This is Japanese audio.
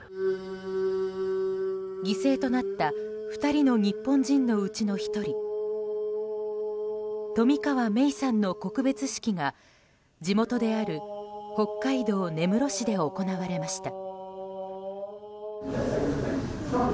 犠牲となった２人の日本人のうちの１人冨川芽生さんの告別式が地元である北海道根室市で行われました。